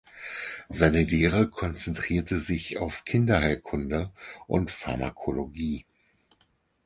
Seine Lehre konzentrierte sich auf Kinderheilkunde und Pharmakologie.